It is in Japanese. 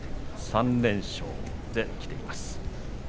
３連勝できています。